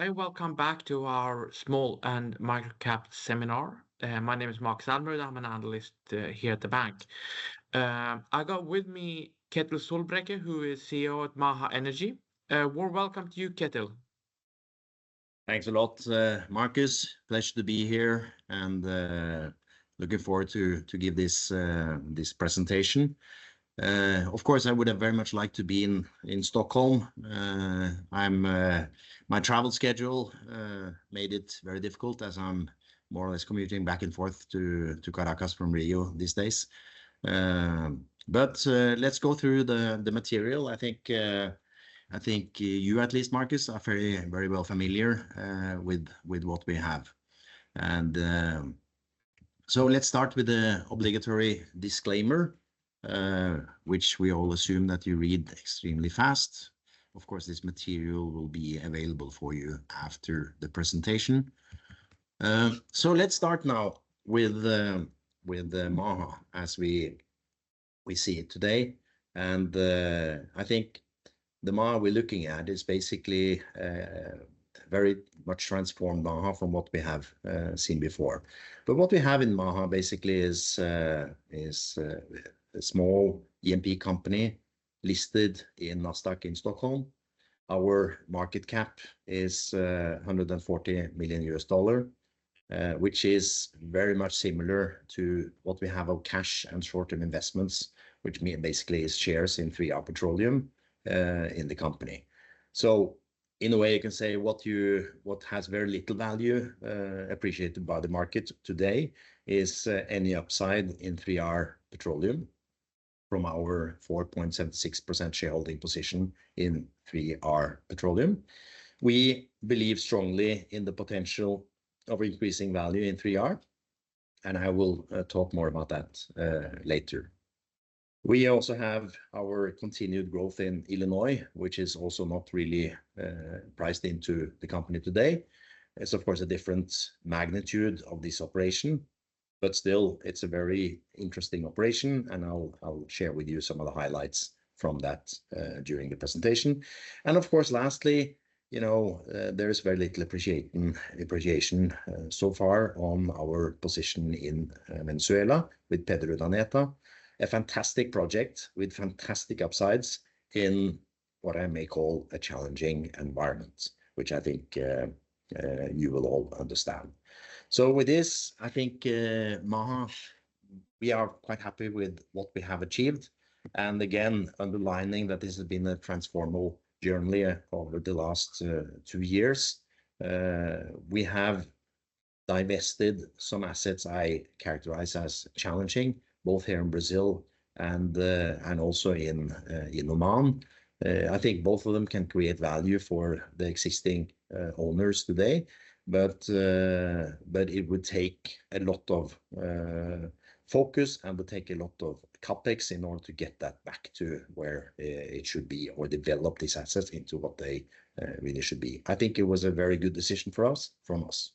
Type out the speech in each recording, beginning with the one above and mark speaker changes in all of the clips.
Speaker 1: Hey, welcome back to our small and micro-cap seminar. My name is Marcus Ahlberg, I'm an analyst here at the bank. I got with me Kjetil Solbrekke, who is CEO at Maha Energy. Warm welcome to you, Kjetil.
Speaker 2: Thanks a lot, Marcus. Pleasure to be here, and looking forward to give this presentation. Of course, I would have very much liked to be in Stockholm. My travel schedule made it very difficult, as I'm more or less commuting back and forth to Caracas from Rio these days, but let's go through the material. I think you at least, Marcus, are very well familiar with what we have, so let's start with the obligatory disclaimer, which we all assume that you read extremely fast. Of course, this material will be available for you after the presentation. So let's start now with the Maha as we see it today, and I think the Maha we're looking at is basically very much transformed Maha from what we have seen before. But what we have in Maha basically is a small E&P company listed in Nasdaq in Stockholm. Our market cap is $140 million USD, which is very much similar to what we have of cash and short-term investments, which mean basically is shares in 3R Petroleum in the company. So in a way, you can say what you- what has very little value appreciated by the market today is any upside in 3R Petroleum from our 4.76% shareholding position in 3R Petroleum. We believe strongly in the potential of increasing value in 3R, and I will talk more about that later. We also have our continued growth in Illinois, which is also not really priced into the company today. It's, of course, a different magnitude of this operation, but still it's a very interesting operation, and I'll share with you some of the highlights from that during the presentation. And of course, lastly, you know, there is very little appreciation so far on our position in Venezuela with PetroUrdaneta, a fantastic project with fantastic upsides in what I may call a challenging environment, which I think you will all understand. So with this, I think, Maha, we are quite happy with what we have achieved, and again, underlining that this has been a transformational journey over the last two years. We have divested some assets I characterize as challenging, both here in Brazil and also in Oman. I think both of them can create value for the existing owners today, but it would take a lot of focus and would take a lot of CapEx in order to get that back to where it should be, or develop these assets into what they really should be. I think it was a very good decision for us, from us,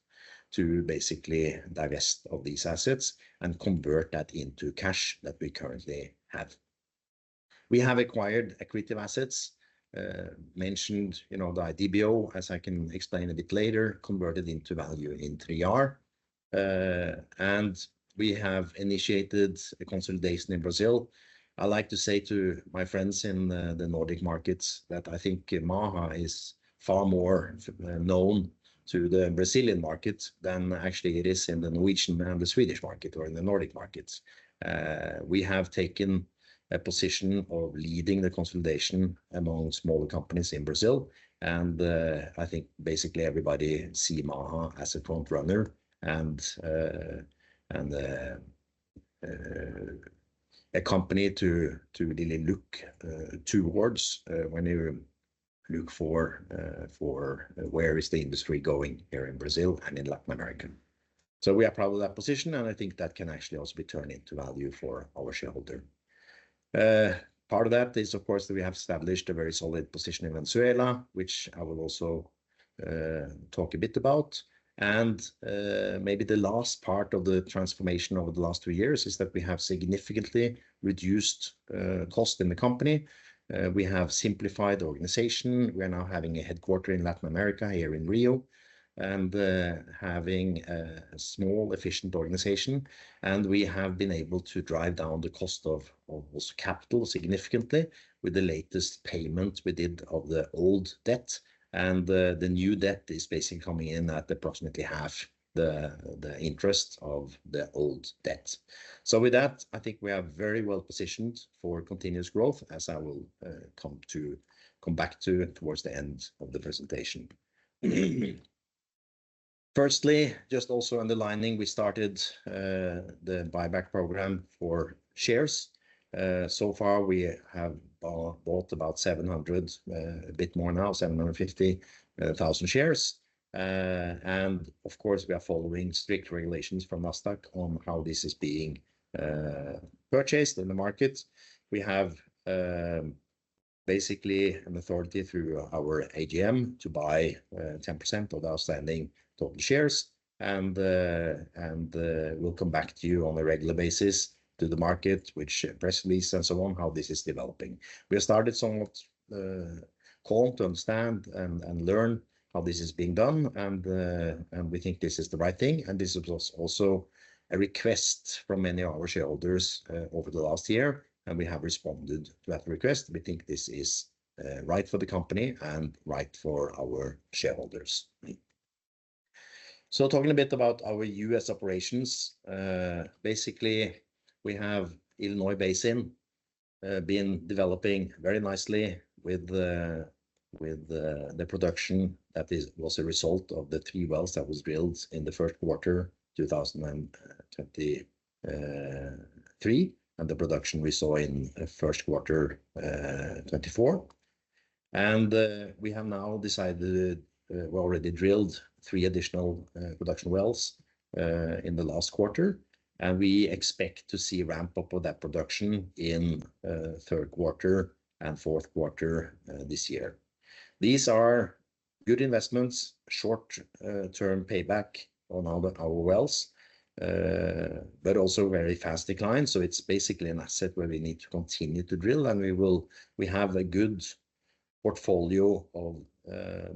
Speaker 2: to basically divest of these assets and convert that into cash that we currently have. We have acquired accretive assets, mentioned, you know, the DBO, as I can explain a bit later, converted into value in 3R, and we have initiated a consolidation in Brazil. I like to say to my friends in the Nordic markets that I think Maha is far more known to the Brazilian market than actually it is in the Norwegian and the Swedish market, or in the Nordic markets. We have taken a position of leading the consolidation among smaller companies in Brazil, and I think basically everybody see Maha as a front runner and a company to really look towards when you look for where is the industry going here in Brazil and in Latin America. So we are proud of that position, and I think that can actually also be turned into value for our shareholder. Part of that is, of course, that we have established a very solid position in Venezuela, which I will also talk a bit about. And maybe the last part of the transformation over the last two years is that we have significantly reduced cost in the company. We have simplified the organization. We are now having a headquarters in Latin America, here in Rio, and having a small, efficient organization. And we have been able to drive down the cost of capital significantly with the latest payment we did of the old debt, and the new debt is basically coming in at approximately half the interest of the old debt. So with that, I think we are very well positioned for continuous growth, as I will come back to towards the end of the presentation. Firstly, just also underlining, we started the buyback program for shares. So far we have bought about seven hundred, a bit more now, seven hundred and fifty thousand shares. And of course, we are following strict regulations from Nasdaq on how this is being purchased in the market. We have basically an authority through our AGM to buy 10% of the outstanding total shares, and we'll come back to you on a regular basis, to the market, which press release and so on, how this is developing. We have started somewhat. call to understand and learn how this is being done, and we think this is the right thing, and this is also a request from many of our shareholders over the last year, and we have responded to that request. We think this is right for the company and right for our shareholders. Talking a bit about our U.S. operations, basically, we have Illinois Basin been developing very nicely with the production that was a result of the three wells that was built in the first quarter, 2023, and the production we saw in first quarter 2024. We have now decided... We've already drilled three additional production wells in the last quarter, and we expect to see a ramp-up of that production in third quarter and fourth quarter this year. These are good investments, short term payback on all our wells, but also very fast decline, so it's basically an asset where we need to continue to drill, and we will. We have a good portfolio of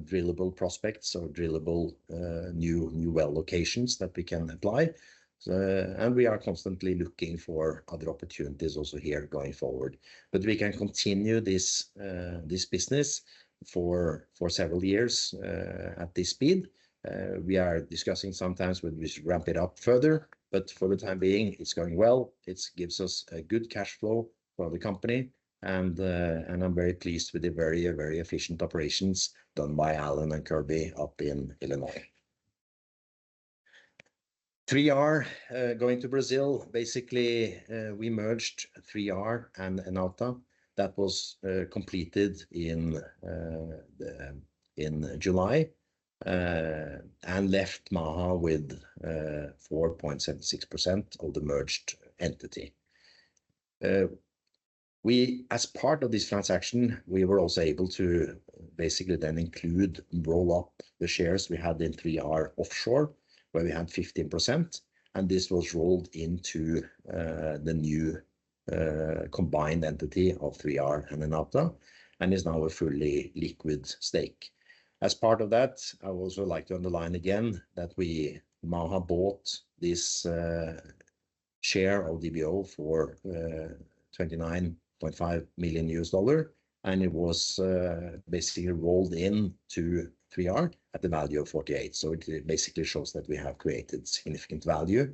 Speaker 2: drillable prospects or drillable new well locations that we can apply. And we are constantly looking for other opportunities also here going forward. But we can continue this business for several years at this speed. We are discussing sometimes whether we should ramp it up further, but for the time being, it's going well. It gives us a good cash flow for the company, and I'm very pleased with the very, very efficient operations done by Alan and Kirby up in Illinois. 3R, going to Brazil, basically, we merged 3R and Enauta. That was completed in July, and left MAHA with 4.76% of the merged entity. We, as part of this transaction, we were also able to basically then include, roll up the shares we had in 3R Offshore, where we had 15%, and this was rolled into the new combined entity of 3R and Enauta, and is now a fully liquid stake. As part of that, I would also like to underline again that we, Maha, bought this share of DBO for $29.5 million, and it was basically rolled in to 3R at the value of $48 million. So it basically shows that we have created significant value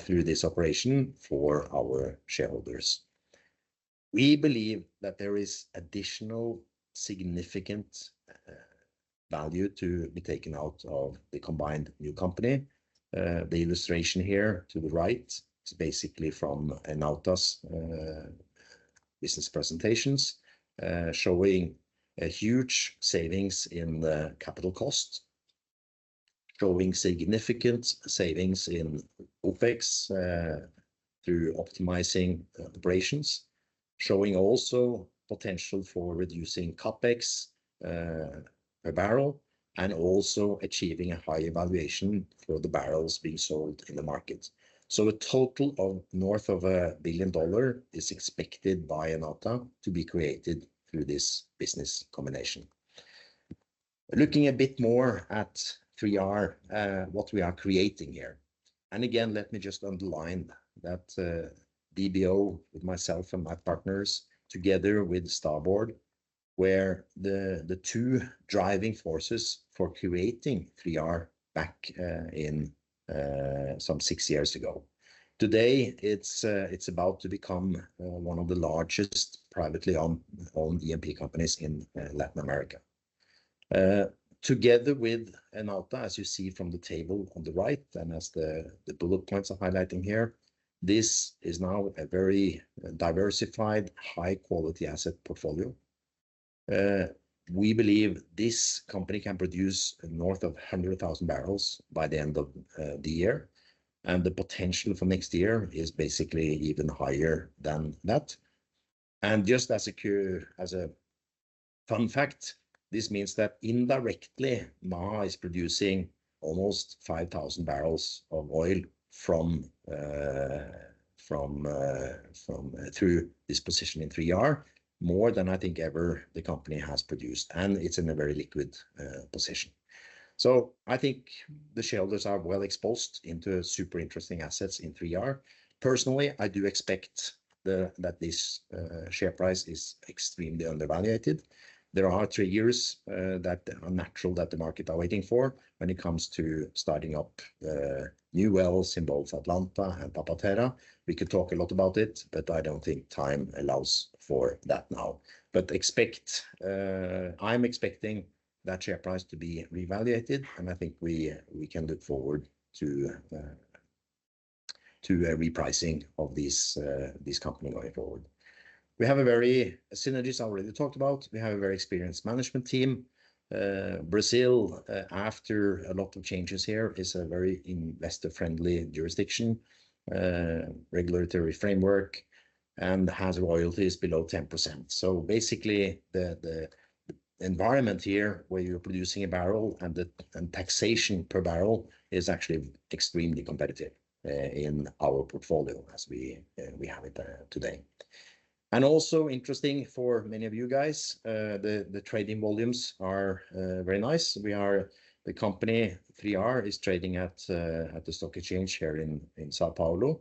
Speaker 2: through this operation for our shareholders. We believe that there is additional significant value to be taken out of the combined new company. The illustration here to the right is basically from Enauta's business presentations, showing a huge savings in the capital cost, showing significant savings in OpEx through optimizing operations, showing also potential for reducing CapEx per barrel, and also achieving a higher valuation for the barrels being sold in the market. So a total of north of $1 billion is expected by Enauta to be created through this business combination. Looking a bit more at 3R, what we are creating here, and again, let me just underline that, DBO, with myself and my partners, together with Starboard, were the two driving forces for creating 3R back in some six years ago. Today, it's about to become one of the largest privately owned E&P companies in Latin America. Together with Enauta, as you see from the table on the right and as the bullet points are highlighting here, this is now a very diversified, high-quality asset portfolio. We believe this company can produce north of 100,000 barrels by the end of the year, and the potential for next year is basically even higher than that. And just as a fun fact, this means that indirectly, MAHA is producing almost five thousand barrels of oil from through this position in 3R, more than I think ever the company has produced, and it's in a very liquid position. So I think the shareholders are well exposed into super interesting assets in 3R. Personally, I do expect that this share price is extremely undervalued. There are three years that are natural that the market are waiting for when it comes to starting up new wells in both Atlanta and Pap-Terra. We could talk a lot about it, but I don't think time allows for that now. But I expect I'm expecting that share price to be revalued, and I think we can look forward to a repricing of this company going forward. We have very synergies I already talked about. We have a very experienced management team. Brazil after a lot of changes here is a very investor-friendly jurisdiction, regulatory framework, and has royalties below 10%. So basically, the environment here where you're producing a barrel and the taxation per barrel is actually extremely competitive in our portfolio as we have it today. And also interesting for many of you guys, the trading volumes are very nice. The company 3R is trading at the stock exchange here in São Paulo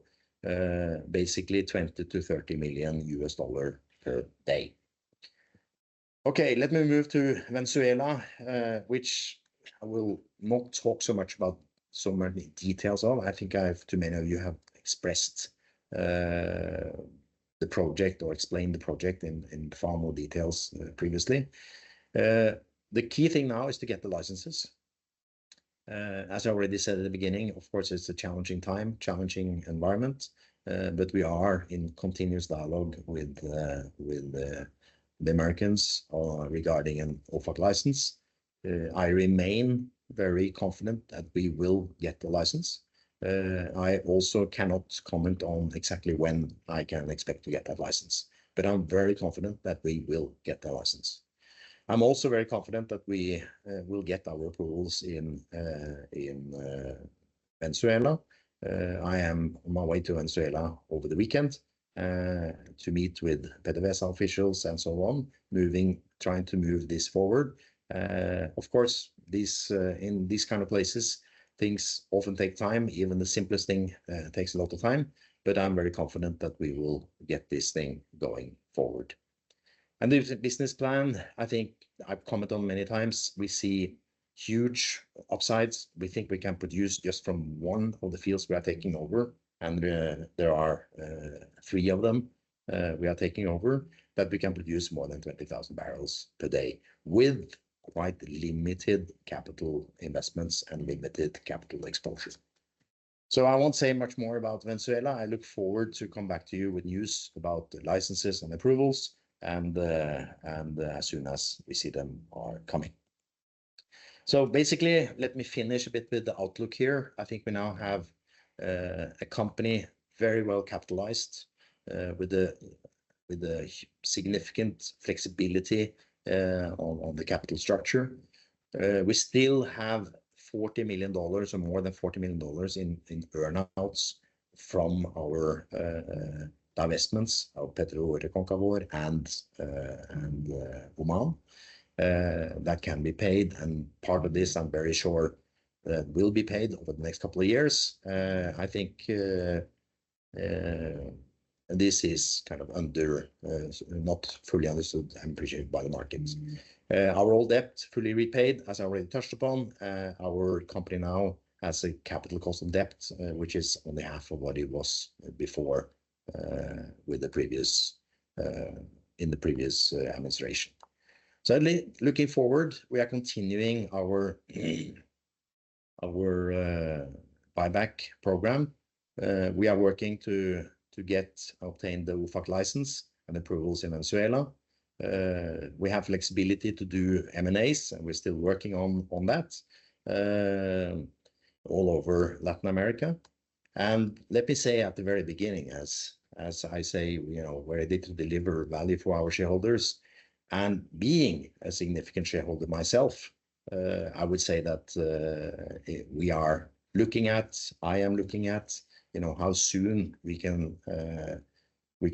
Speaker 2: basically 20-30 million US dollar per day. Okay, let me move to Venezuela, which I will not talk so much about, so many details of. I think I've... Too many of you have expressed the project or explained the project in far more details previously. The key thing now is to get the licenses. As I already said at the beginning, of course, it's a challenging time, challenging environment, but we are in continuous dialogue with the Americans on regarding an OFAC license. I remain very confident that we will get the license. I also cannot comment on exactly when I can expect to get that license, but I'm very confident that we will get the license. I'm also very confident that we will get our approvals in Venezuela. I am on my way to Venezuela over the weekend to meet with PDVSA officials and so on, trying to move this forward. Of course, in these kind of places, things often take time. Even the simplest thing takes a lot of time, but I'm very confident that we will get this thing going forward. The business plan, I think I've commented on many times, we see huge upsides. We think we can produce just from one of the fields we are taking over, and there are three of them we are taking over, that we can produce more than 20,000 barrels per day, with quite limited capital investments and limited capital exposure. So I won't say much more about Venezuela. I look forward to come back to you with news about the licenses and approvals and as soon as we see them are coming. So basically, let me finish a bit with the outlook here. I think we now have a company very well capitalized with a significant flexibility on the capital structure. We still have $40 million or more than $40 million in earn-outs from our divestments of PetroRecôncavo and Oman. That can be paid, and part of this, I'm very sure, will be paid over the next couple of years. I think this is kind of under not fully understood and appreciated by the markets. Our old debt fully repaid, as I already touched upon. Our company now has a capital cost of debt, which is only half of what it was before, with the previous administration. So then looking forward, we are continuing our buyback program. We are working to obtain the OFAC license and approvals in Venezuela. We have flexibility to do M&As, and we're still working on that all over Latin America. And let me say at the very beginning, as I say, you know, we're ready to deliver value for our shareholders, and being a significant shareholder myself, I would say that we are looking at, I am looking at, you know, how soon we can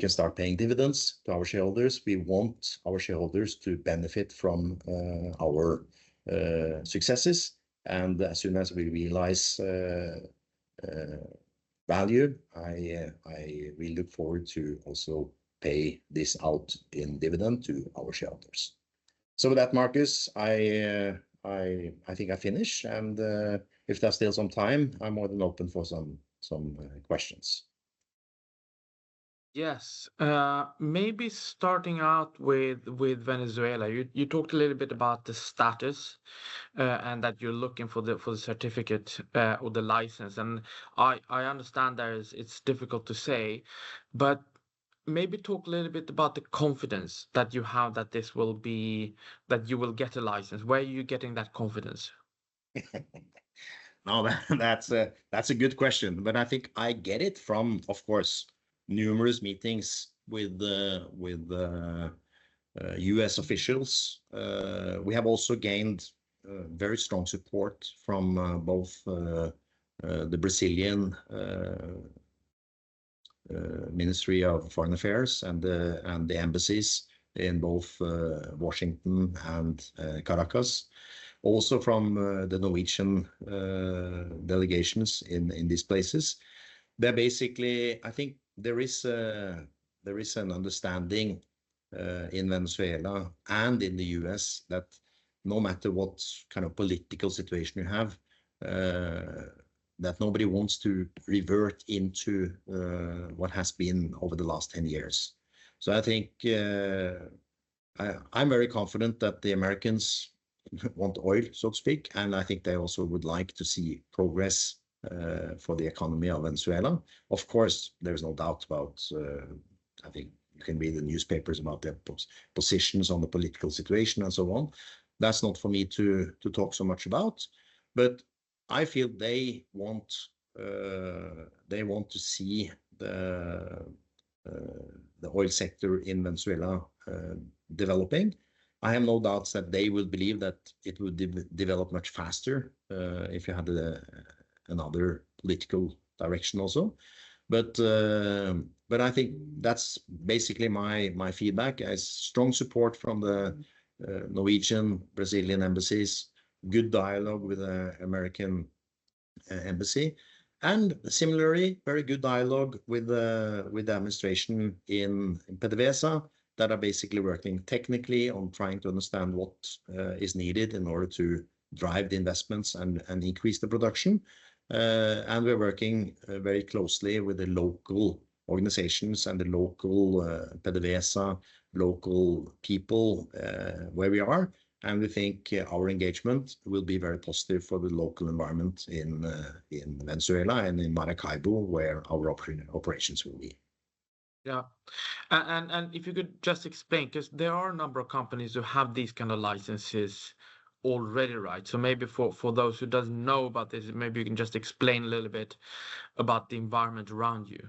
Speaker 2: start paying dividends to our shareholders. We want our shareholders to benefit from our successes, and as soon as we realize value, we look forward to also pay this out in dividend to our shareholders. So with that, Marcus, I think I finish, and if there's still some time, I'm more than open for some questions.
Speaker 1: Yes. Maybe starting out with Venezuela. You talked a little bit about the status, and that you're looking for the certificate or the license, and I understand that it's difficult to say, but maybe talk a little bit about the confidence that you have that you will get a license. Where are you getting that confidence?
Speaker 2: Now, that's a good question. But I think I get it from, of course, numerous meetings with the U.S. officials. We have also gained very strong support from both the Brazilian Ministry of Foreign Affairs and the embassies in both Washington and Caracas. Also from the Norwegian delegations in these places. They're basically. I think there is an understanding in Venezuela and in the U.S. that no matter what kind of political situation you have, that nobody wants to revert into what has been over the last ten years. So I think, I'm very confident that the Americans want oil, so to speak, and I think they also would like to see progress for the economy of Venezuela. Of course, there is no doubt about. I think you can read the newspapers about their positions on the political situation and so on. That's not for me to talk so much about, but I feel they want to see the oil sector in Venezuela developing. I have no doubts that they will believe that it would develop much faster if you had another political direction also. But I think that's basically my feedback, is strong support from the Norwegian, Brazilian embassies, good dialogue with the American embassy, and similarly, very good dialogue with the administration in PDVSA, that are basically working technically on trying to understand what is needed in order to drive the investments and increase the production. We're working very closely with the local organizations and the local PDVSA local people where we are, and we think our engagement will be very positive for the local environment in Venezuela and in Maracaibo, where our operations will be.
Speaker 1: Yeah. And if you could just explain, 'cause there are a number of companies who have these kind of licenses already, right? So maybe for those who doesn't know about this, maybe you can just explain a little bit about the environment around you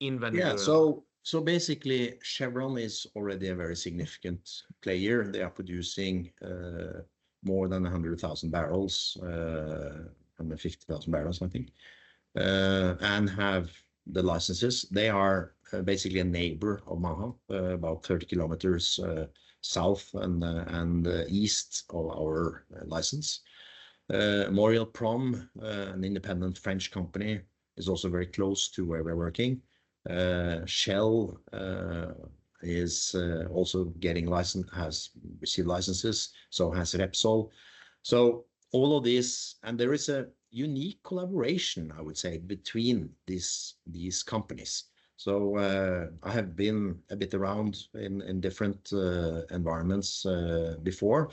Speaker 1: in Venezuela.
Speaker 2: Yeah, so, so basically, Chevron is already a very significant player. They are producing more than 100,000 barrels, 150,000 barrels, I think, and have the licenses. They are basically a neighbor of Maha, about 30 kilometers south and east of our license. Maurel & Prom, an independent French company, is also very close to where we're working. Shell is also getting license- has received licenses, so has Repsol. So all of this, and there is a unique collaboration, I would say, between these companies. So, I have been a bit around in different environments before,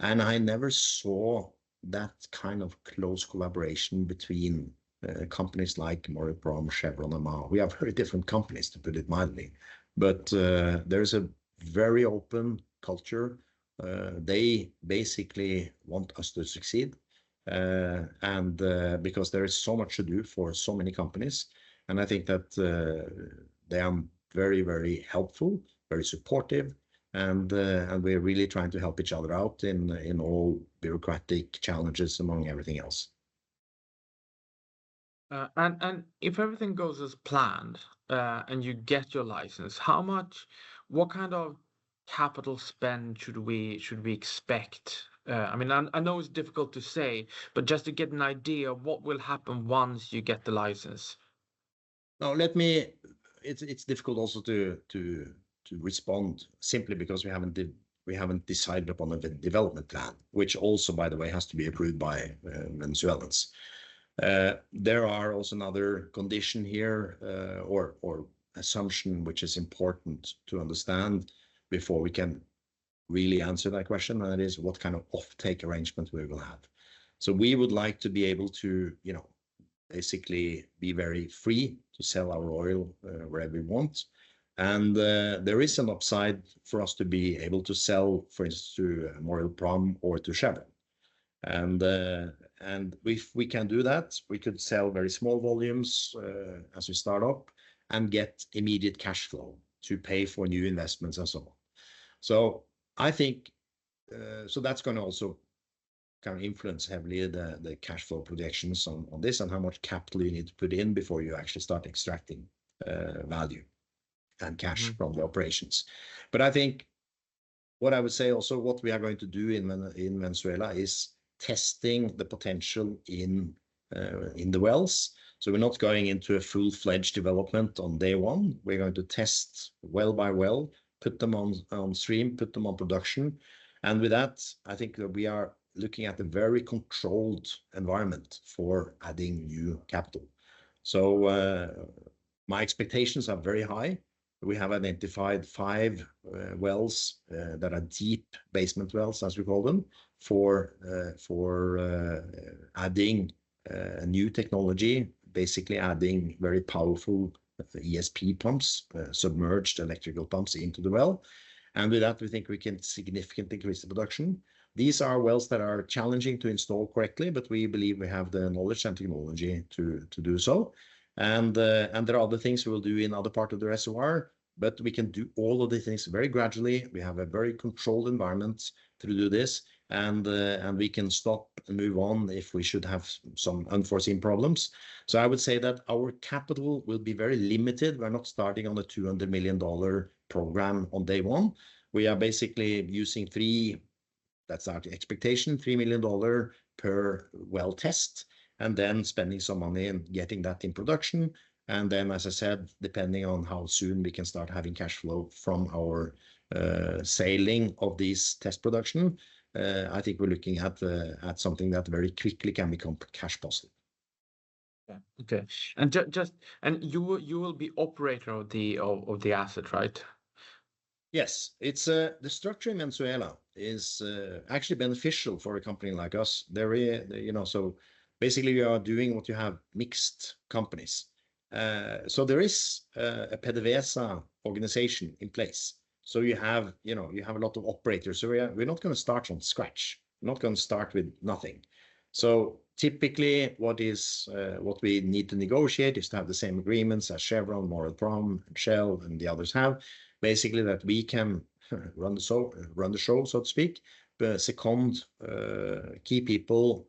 Speaker 2: and I never saw that kind of close collaboration between companies like Maurel & Prom, Chevron, and Maha. We have very different companies, to put it mildly. But there is a very open culture. They basically want us to succeed, and because there is so much to do for so many companies, and I think that they are very, very helpful, very supportive, and we're really trying to help each other out in all bureaucratic challenges, among everything else.
Speaker 1: If everything goes as planned, and you get your license, how much... What kind of capital spend should we expect? I mean, I know it's difficult to say, but just to get an idea of what will happen once you get the license.
Speaker 2: It's difficult also to respond, simply because we haven't decided upon a development plan, which also, by the way, has to be approved by Venezuelans. There are also another condition here, or assumption, which is important to understand before we can really answer that question, and that is what kind of offtake arrangement we will have. So we would like to be able to, you know, basically be very free to sell our oil, wherever we want, and there is an upside for us to be able to sell, for instance, to Maurel & Prom or to Chevron. And if we can do that, we could sell very small volumes, as we start up and get immediate cash flow to pay for new investments and so on. So I think so that's gonna also kind of influence heavily the cash flow projections on this and how much capital you need to put in before you actually start extracting value and cash-
Speaker 1: Mm...
Speaker 2: from the operations. But I think, what I would say also, what we are going to do in Venezuela is testing the potential in the wells. So we're not going into a full-fledged development on day one. We're going to test well by well, put them on stream, put them on production, and with that, I think that we are looking at a very controlled environment for adding new capital. So my expectations are very high. We have identified five wells that are deep basement wells, as we call them, for adding new technology, basically adding very powerful ESP pumps, submerged electrical pumps into the well. And with that, we think we can significantly increase the production. These are wells that are challenging to install correctly, but we believe we have the knowledge and technology to do so. And there are other things we will do in other part of the SOR, but we can do all of these things very gradually. We have a very controlled environment to do this, and we can stop and move on if we should have some unforeseen problems. So I would say that our capital will be very limited. We're not starting on a $200 million program on day one. We are basically using three, that's our expectation, $3 million per well test, and then spending some money and getting that in production. And then, as I said, depending on how soon we can start having cash flow from our selling of this test production, I think we're looking at something that very quickly can become cash positive.
Speaker 1: Yeah. Okay. And just, you will be operator of the asset, right?
Speaker 2: Yes. It's the structure in Venezuela is actually beneficial for a company like us. There you know, so basically you are doing what you have mixed companies. So there is a PDVSA organization in place. So you have, you know, you have a lot of operators. So we're not gonna start from scratch, we're not gonna start with nothing. So typically, what we need to negotiate is to have the same agreements as Chevron, Maurel & Prom, Shell, and the others have. Basically, that we can run the show, run the show, so to speak. Second, key people,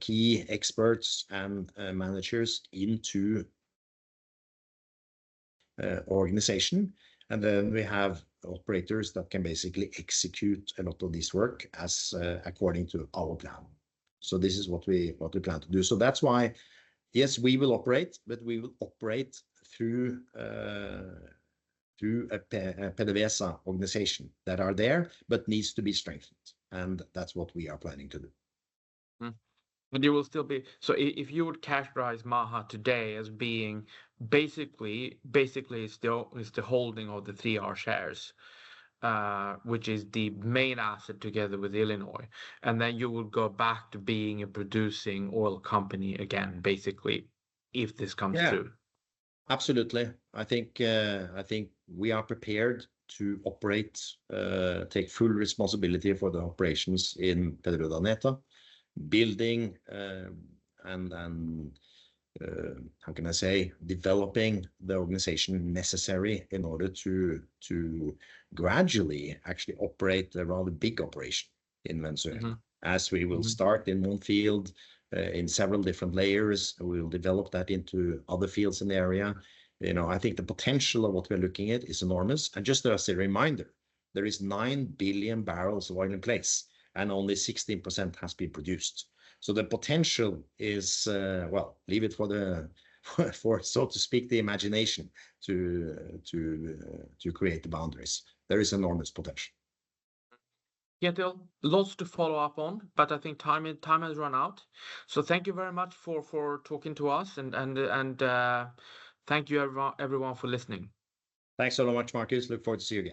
Speaker 2: key experts and managers into organization, and then we have operators that can basically execute a lot of this work as according to our plan. So this is what we, what we plan to do. So that's why, yes, we will operate, but we will operate through a PDVSA organization that are there, but needs to be strengthened, and that's what we are planning to do.
Speaker 1: But you will still be... So if you would characterize Maha today as being basically still is the holding of the 3R shares, which is the main asset together with Illinois, and then you will go back to being a producing oil company again, basically, if this comes true?
Speaker 2: Yeah, absolutely. I think we are prepared to operate, take full responsibility for the operations in PetroUrdaneta, building, and then, how can I say, developing the organization necessary in order to gradually actually operate a rather big operation in Venezuela.
Speaker 1: Mm-hmm.
Speaker 2: As we will start in one field in several different layers, we will develop that into other fields in the area. You know, I think the potential of what we're looking at is enormous, and just as a reminder, there is nine billion barrels of oil in place, and only 16% has been produced. So the potential is. Well, leave it to the imagination, so to speak, to create the boundaries. There is enormous potential.
Speaker 1: Kjetil, lots to follow up on, but I think time has run out. So thank you very much for talking to us, and thank you everyone for listening.
Speaker 2: Thanks so much, Marcus. Look forward to see you again.